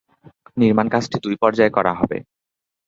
নির্মাণ কাজটি দুই পর্যায়ে করা হবে।